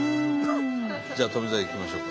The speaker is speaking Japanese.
じゃあ富澤いきましょうか。